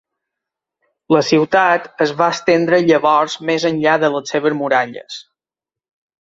La ciutat es va estendre llavors més enllà de les seves muralles.